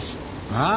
ああ？